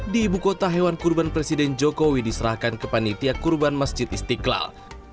di ibu kota hewan kurban presiden jokowi diserahkan ke panitia kurban masjid istiqlal